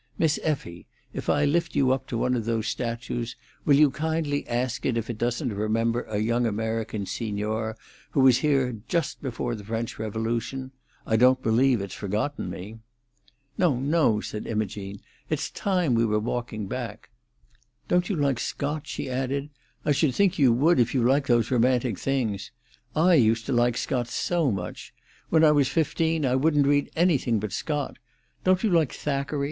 Miss Effie, if I lift you up to one of those statues, will you kindly ask it if it doesn't remember a young American signor who was here just before the French Revolution? I don't believe it's forgotten me." "No, no," said Imogene. "It's time we were walking back. Don't you like Scott!" she added. "I should think you would if you like those romantic things. I used to like Scott so much. When I was fifteen I wouldn't read anything but Scott. Don't you like Thackeray?